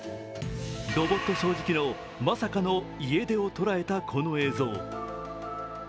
ロボット掃除機のまさかの家出を捉えたこの映像。